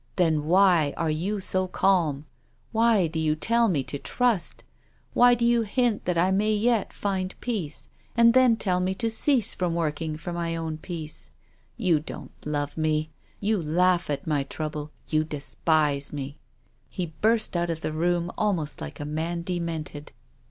Then why are you so calm? Why do you tell me to trust? Why do you hint that I may yet find peace, and then tell me to cease from working for my own peace? You don't love me, you laugh at my trouble. You despise mc." He burst out of the room almost like a man demented.